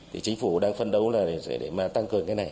thì chính phủ đang phân đấu là để mà tăng cường cái này